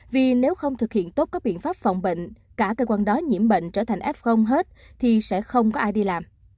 vì nếu không thực hiện tốt các biện pháp phòng bệnh cả cơ quan đó nhiễm bệnh trở thành f hết thì sẽ không có ai đi làm